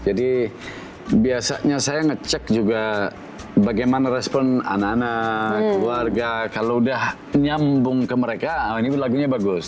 jadi biasanya saya ngecek juga bagaimana respon anak anak keluarga kalau udah nyambung ke mereka ini lagunya bagus